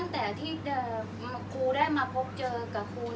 อันไหนที่มันไม่จริงแล้วอาจารย์อยากพูด